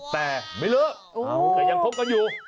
แต่ไม่เลิกก็ยังคบกันอยู่